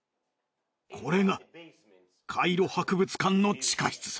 これがカイロ博物館の地下室さ。